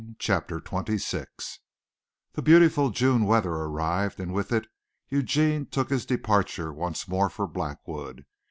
CHAPTER XXVI The beautiful June weather arrived and with it Eugene took his departure once more for Blackwood.